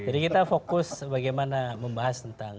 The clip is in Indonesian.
jadi kita fokus bagaimana membahas tentang